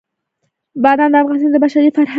بادام د افغانستان د بشري فرهنګ برخه ده.